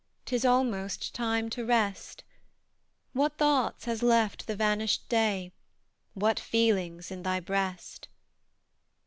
'Tis almost time to rest; What thoughts has left the vanished day, What feelings in thy breast?